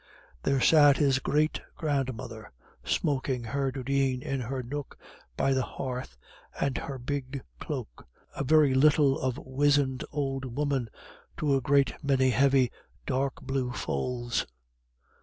There sat his great grandmother smoking her dudeen in her nook by the hearth, and her big cloak a very little of wizened old woman to a great many heavy, dark blue folds.